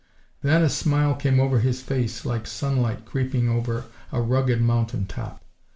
Then a smile came over his face like sunlight creeping over a rugged mountain top.